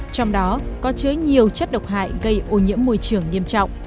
trong đó có chứa nhiều chất độc hại gây ô nhiễm môi trường nghiêm trọng